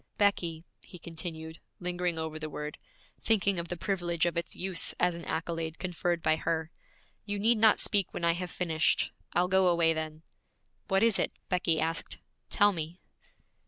'Becky,' he continued, lingering over the word, thinking of the privilege of its use as an accolade conferred by her, 'you need not speak when I have finished; I'll go away then.' 'What is it?' Becky asked. 'Tell me.'